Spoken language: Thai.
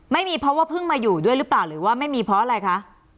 ไม่มีเพราะว่าเพิ่งมาอยู่ด้วยหรือเปล่าหรือว่าไม่มีเพราะอะไรคะ